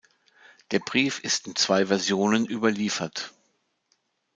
Der Brief ist in zwei Versionen überliefert.